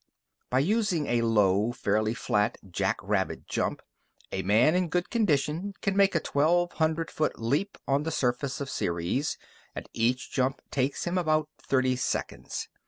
By using a low, fairly flat, jackrabbit jump, a man in good condition can make a twelve hundred foot leap on the surface of Ceres, and each jump takes him about thirty seconds.